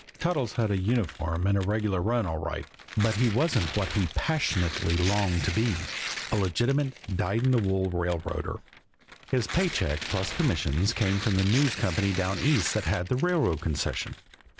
Toddles had a uniform and a regular run all right, but he wasn't what he passionately longed to be a legitimate, dyed in the wool railroader. His pay check, plus commissions, came from the News Company down East that had the railroad concession.